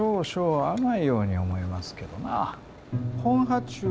はい。